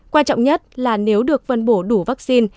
quan trọng nhất là nếu được phân bổ đủ vaccine